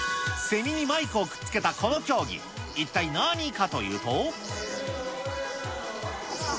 セミにマイクをくっつけたこの競技、一体何かというと。